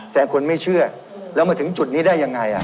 แต่คนไม่เชื่อแล้วมาถึงจุดนี้ได้ยังไง